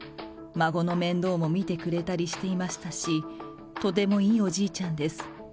孫の面倒も見てくれたりしていましたし、とてもいいおじいちゃんです。